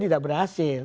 dia tidak berhasil